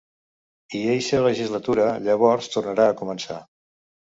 I eixa legislatura, llavors, tornarà a començar.